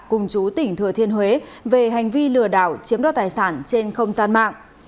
cùng chú tỉnh thừa thiên huế về hành vi lừa đảo chiếm đo tài sản trên không gian mạng